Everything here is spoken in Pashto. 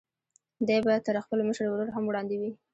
دی به تر خپل مشر ورور هم وړاندې وي.